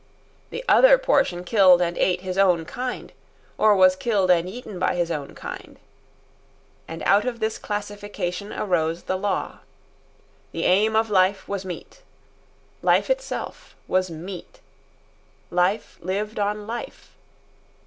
The other portion killed and ate his own kind, or was killed and eaten by his own kind. And out of this classification arose the law. The aim of life was meat. Life itself was meat. Life lived on life.